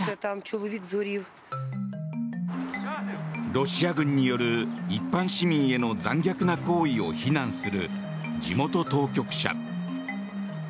ロシア軍による一般市民への残虐な行為を非難する地元当局者。